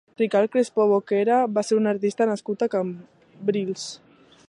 Ricard Crespo Boquera va ser un artista nascut a Cambrils.